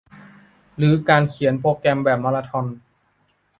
หรือการเขียนโปรแกรมแบบมาราธอน